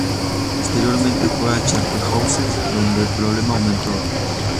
Posteriormente fue a Charterhouse donde el problema aumentó.